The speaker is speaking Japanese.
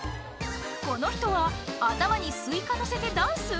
この人は頭にスイカのせてダンス？